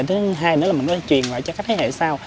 thứ hai là mình có thể truyền lại cho các thế hệ sau